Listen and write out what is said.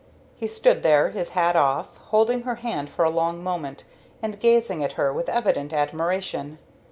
He stood there, his hat off, holding her hand for a long moment, and gazing at her with evident admiration.